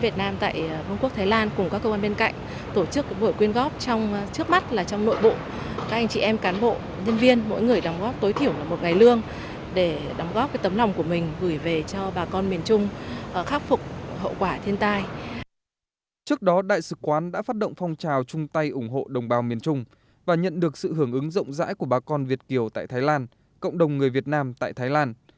trước đó đại sứ quán đã phát động phong trào chung tay ủng hộ đồng bào miền trung và nhận được sự hưởng ứng rộng rãi của bà con việt kiều tại thái lan cộng đồng người việt nam tại thái lan